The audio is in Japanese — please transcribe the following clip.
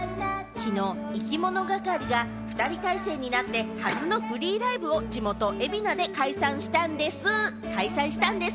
昨日、いきものがかりが２人体制になって初のフリーライブを地元・海老名で開催したんでぃす！